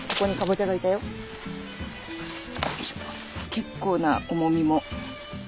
結構な重みも。